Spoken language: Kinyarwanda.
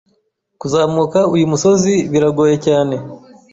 Kuzamuka uyu musozi biragoye cyane.